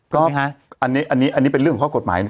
ก็อันนี้เป็นเรื่องของข้อกฎหมายนะ